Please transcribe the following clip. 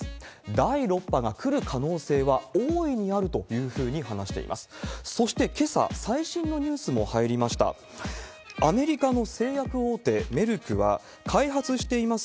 第６波が来る可能性は大いにあるというふうに話しています。